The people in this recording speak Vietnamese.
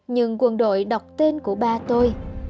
nhưng quân đội đọc tên của ba tôi